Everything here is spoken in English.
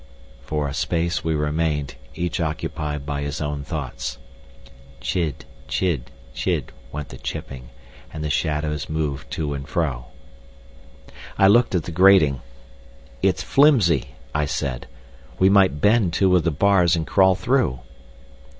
For a space we remained, each occupied by his own thoughts. Chid, chid, chid went the chipping, and the shadows moved to and fro. I looked at the grating. "It's flimsy," I said. "We might bend two of the bars and crawl through."